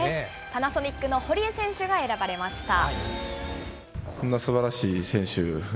パナソニックの堀江選手が選ばれました。